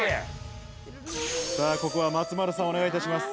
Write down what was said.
ここは松丸さん、お願いします。